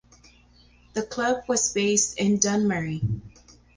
The club was based in Dunmurry.